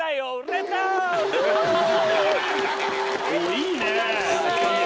いいね！